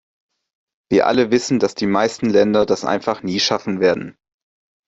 Wir alle wissen, dass die meisten Länder das einfach nie schaffen werden.